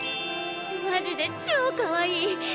マジで超かわいい。